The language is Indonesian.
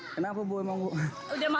udah dalam udah kemana bu tinggian airnya